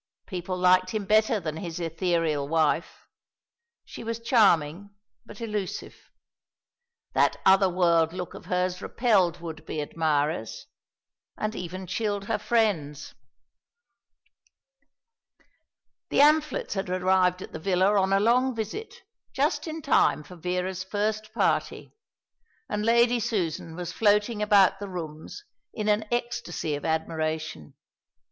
People liked him better than his ethereal wife. She was charming, but elusive. That other world look of hers repelled would be admirers, and even chilled her friends. The Amphletts had arrived at the villa on a long visit, just in time for Vera's first party; and Lady Susan was floating about the rooms in an ecstasy of admiration.